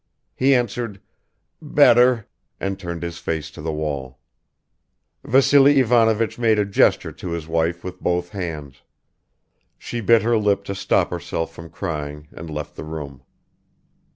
He answered, "Better," and turned his face to the wall. Vassily Ivanovich made a gesture to his wife with both hands; she bit her lip to stop herself from crying and left the room.